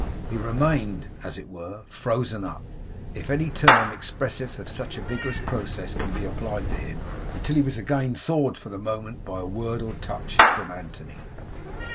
He remained, as it were, frozen up if any term expressive of such a vigorous process can be applied to him until he was again thawed for the moment by a word or touch from Anthony.